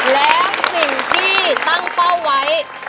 แล้วสิ่งที่ตั้งเป้าไว้